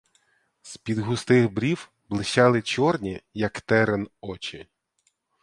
З-під густих брів блищали чорні, як терен, очі.